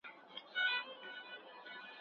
موږ بايد په خوني کي ارام وساتو.